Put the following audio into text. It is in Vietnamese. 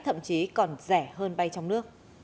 thậm chí còn rẻ hơn bay trong nước